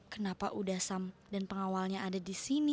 kenapa dan pengawalnya ada di sini